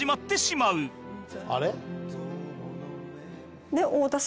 「あれ？」